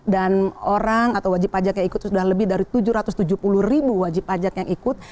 dan orang atau wajib pajak yang ikut sudah lebih dari tujuh ratus tujuh puluh ribu wajib pajak yang ikut